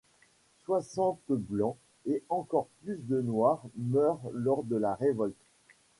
Soixante Blancs et encore plus de Noirs meurent lors de la révolte.